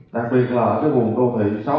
đặc biệt là